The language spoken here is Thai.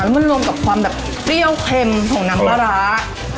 แล้วมันรวมกับความแต้วเค็มของน้ำปลาราย